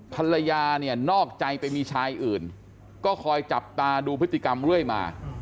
ภรรยาเนี่ยนอกใจไปมีชายอื่นก็คอยจับตาดูพฤติกรรมเรื่อยมา